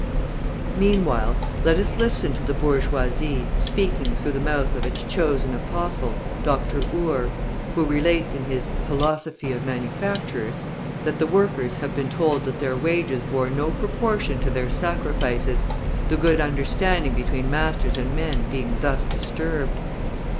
Meanwhile, let us listen to the bourgeoisie speaking through the mouth of its chosen apostle, Dr. Ure, who relates in his "Philosophy of Manufactures" {167b} that the workers have been told that their wages bore no proportion to their sacrifices, the good understanding between masters and men being thus disturbed.